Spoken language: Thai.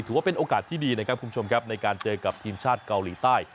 ถือว่าเป็นโอกาสที่ดีนะครับคุณผู้ชมครับในการเจอกับทีมชาติเกาหลีใต้